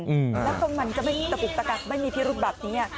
แล้วคนมันจะไม่ตะกุกตะกักไม่มีพิรุธแบบนี้